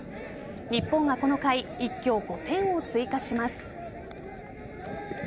日本がこの回一挙５点を追加します。